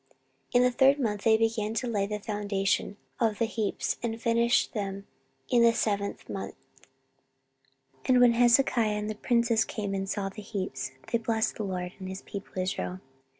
14:031:007 In the third month they began to lay the foundation of the heaps, and finished them in the seventh month. 14:031:008 And when Hezekiah and the princes came and saw the heaps, they blessed the LORD, and his people Israel.